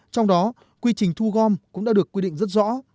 trong đó quy trình thu gom cũng đã được quy định rất rõ